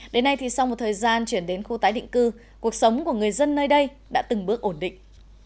đến nay thì sau một thời gian chuyển đến khu tái định cư cuộc sống của người dân nơi đây đã từng bước ổn định